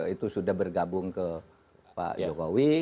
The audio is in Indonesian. itu sudah bergabung ke pak jokowi